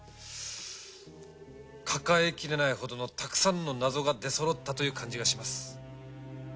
抱えきれないほどのたくさんの謎が出そろったという感じがします。